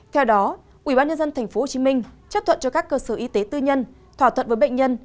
theo đó ubnd tp hcm chấp thuận cho các cơ sở y tế tư nhân thỏa thuận với bệnh nhân